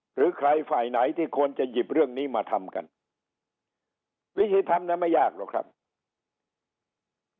หรือใครฝ่ายไหนที่ควรจะหยิบเรื่องนี้มาทำกันวิธีทำนั้นไม่ยากหรอกครับ